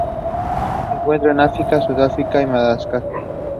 The book received much praise from Jewish and Holocaust Memorial organizations.